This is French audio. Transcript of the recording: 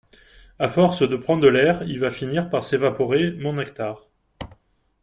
À force de prendre l’air, il va finir par s’évaporer, mon nectar.